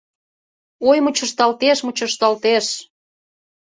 Ой, мучышталтеш, мучышталтеш